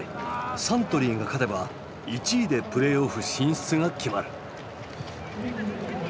サントリーが勝てば１位でプレーオフ進出が決まる。